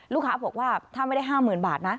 ลูกค้าบอกว่าถ้าไม่ได้๕๐๐๐บาทนะ